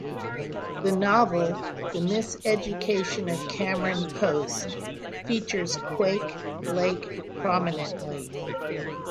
The novel "The Miseducation of Cameron Post" features Quake Lake prominently.